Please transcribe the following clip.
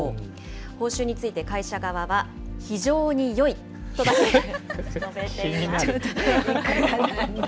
報酬について会社側は、非常によいとだけ述べていました。